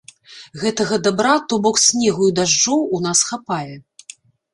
Гэтага дабра, то бок, снегу і дажджоў, у нас хапае.